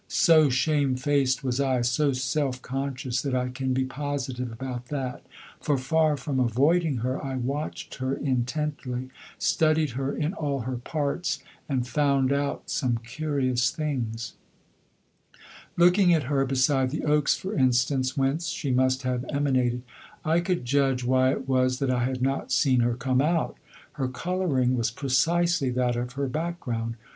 So shamefaced was I, so self conscious, that I can be positive about that; for far from avoiding her I watched her intently, studied her in all her parts, and found out some curious things. Looking at her beside the oaks, for instance, whence she must have emanated, I could judge why it was that I had not seen her come out. Her colouring was precisely that of her background.